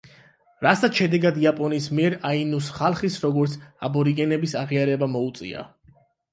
რასაც შედეგად იაპონიის მიერ აინუს ხალხის როგორც აბორიგენების აღიარება მოუწია.